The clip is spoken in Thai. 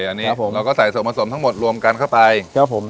อันนี้ครับผมเราก็ใส่ส่วนผสมทั้งหมดรวมกันเข้าไปครับผม